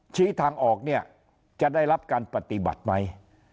ชี้ทางออกเนี่ยจะได้รับการปฏิบัติไหม